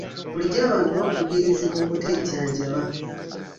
Bulijjo abantu bakubirizibwa obutejjanjaba.